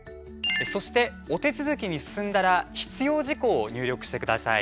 そして、お手続きに進んだら必要事項を入力してください。